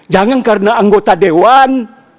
jangan karena anggota dewan